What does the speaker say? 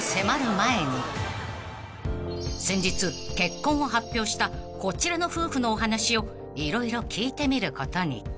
［先日結婚を発表したこちらの夫婦のお話を色々聞いてみることに］